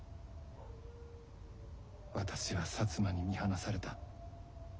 私は摩に見放された。